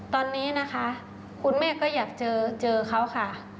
ตอนนี้นะคะคุณแม่ก็อยากเจอเขาค่ะ